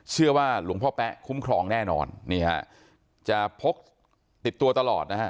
เชื่อว่าหลวงพ่อแป๊ะคุ้มครองแน่นอนนี่ฮะจะพกติดตัวตลอดนะฮะ